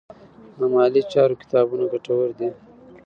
د مالي چارو کتابونه ګټور دي.